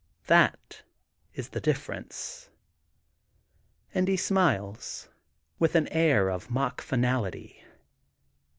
That is the difference/' And he smiles with an air ofmockfinaUty.